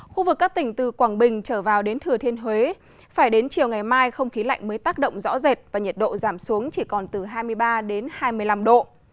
khu vực các tỉnh từ quảng bình trở vào đến thừa thiên huế phải đến chiều ngày mai không khí lạnh mới tác động rõ rệt và nhiệt độ giảm xuống chỉ còn từ hai mươi ba đến hai mươi năm độ